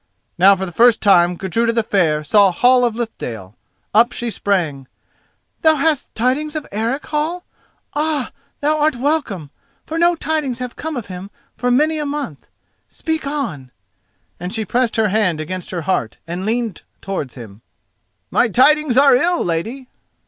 Now for the first time Gudruda the Fair saw Hall of Lithdale. Up she sprang. "Thou hast tidings of Eric, Hall? Ah! thou art welcome, for no tidings have come of him for many a month. Speak on," and she pressed her hand against her heart and leaned towards him. "My tidings are ill, lady."